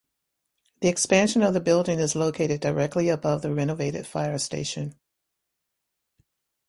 The expansion of the building is located directly above the renovated fire station.